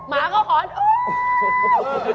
หมาก็หอนอ่าา